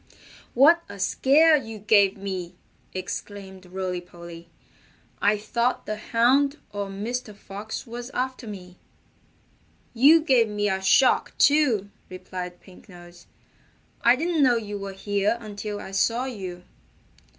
"What a scare you gave me!" exclaimed Rolly Polly. "I thought the Hound or Mr. Fox was after me." "You gave me a shock, too," replied Pink Nose. "I didn't know you were here until I saw you."